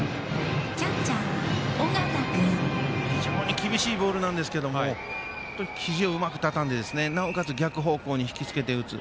非常に厳しいボールなんですがひじをうまく畳んでなおかつ逆方向に引き付けて打つ。